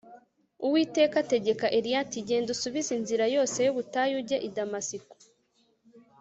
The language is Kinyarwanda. Uwiteka ategeka Eliya ati Genda usubize inzira yose yubutayu ujye i Damasiko